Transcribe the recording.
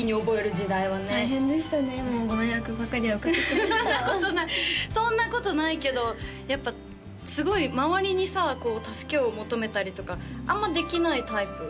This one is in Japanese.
そんなことないそんなことないけどやっぱすごい周りにさ助けを求めたりとかあんまできないタイプ？